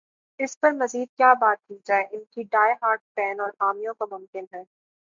اس پر مزید کیا بات کی جائے ان کے ڈائی ہارڈ فین اور حامیوں کو ممکن ہے۔